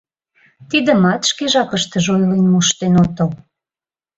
— Тидымат шке жапыштыже ойлен моштен отыл.